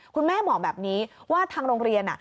คุณแม่บอกแบบนี้ว่าทางโรงเรียน